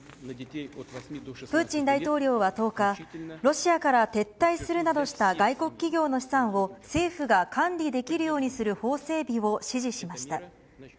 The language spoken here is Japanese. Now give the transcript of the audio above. プーチン大統領は１０日、ロシアから撤退するなどした外国企業の資産を、政府が管理できるようにする法整備を指示しました。